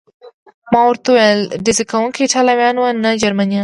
ما ورته وویل: ډزې کوونکي ایټالویان و، نه جرمنیان.